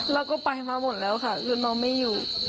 แล้วก็ไปมาหมดแล้วค่ะคือน้องไม่อยู่